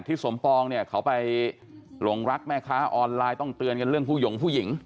สมปองเนี่ยเขาไปหลงรักแม่ค้าออนไลน์ต้องเตือนกันเรื่องผู้หยงผู้หญิง